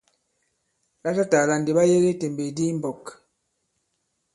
Latatàla ndi ɓa yege i tèmbèk di i mɓɔ̄k.